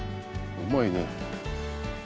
うまいね。